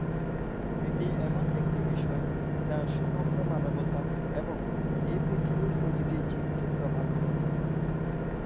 এটি এমন একটি বিষয় যা সমগ্র মানবতা এবং এই পৃথিবীর প্রতিটি জীবকে প্রভাবিত করে।